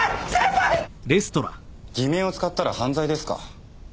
偽名を使ったら犯罪ですか？